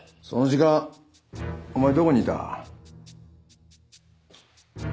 その時間お前どこにいた？